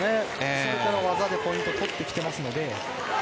全ての技でポイントを取ってきていますので。